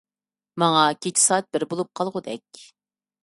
ماڭا كېچە سائەت بىر بولۇپ قالغۇدەك.